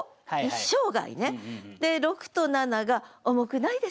で６と７が「重くないですか？」